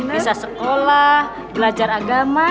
bisa sekolah belajar agama